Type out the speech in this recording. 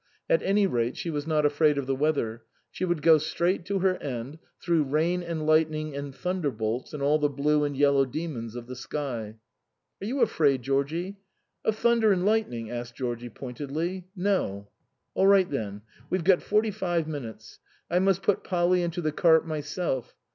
At any rate she was not afraid of the weather. She would go straight to her end, through rain and lightning and thunderbolts and all the blue and yellow demons of the sky. " Are you afraid, Georgie ?"" Of thunder and lightning ?" asked Georgie pointedly. " No." " All right then. We've got forty five minutes. I must put Polly into the cart myself.